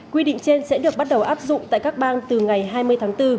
quy định trên sẽ được bắt đầu áp dụng tại các bang từ ngày hai mươi tháng bốn